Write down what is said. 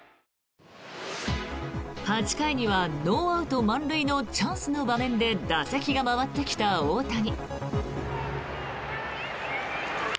８回には、ノーアウト満塁のチャンスの場面で打席が回ってきた大谷。